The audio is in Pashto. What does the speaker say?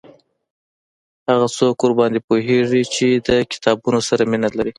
هغه څوک ورباندي پوهیږي چې د کتابونو سره مینه لري